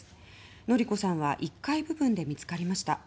法子さんは１階部分で見つかりました。